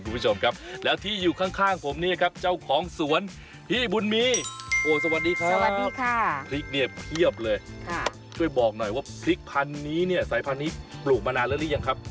คุณผู้ชมครับแล้วที่อยู่ข้างผมเนี่ยครับเจ้าของสวนพี่บุญมีโอ้สวัสดีครับสวัสดีค่ะพริกเนี่ยเพียบเลยค่ะช่วยบอกหน่อยว่าพริกพันธุ์นี้เนี่ยสายพันธุ์นี้ปลูกมานานแล้วหรือยังครับ